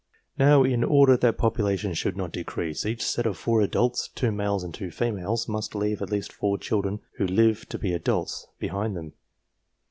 Now in order that population should not decrease, each set of 4 adults, 2 males and 2 females, must leave at least 4 children who live to be adults, behind them.